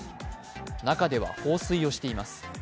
中では放水をしています。